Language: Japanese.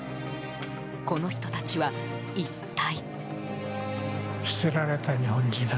この人たちは一体？